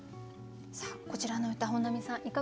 さあこちらの歌本並さん